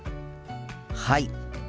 はい！